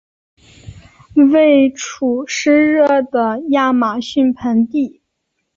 位处湿热的亚马逊盆地。